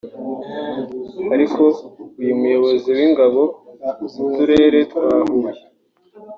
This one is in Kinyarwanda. ariko uyu muyobozi w’ingabo mu Turere twa Huye